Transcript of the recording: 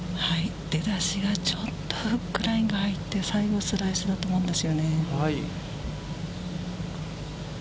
出だしがちょっとフックラインが入って最後スライスだと思うんですよね。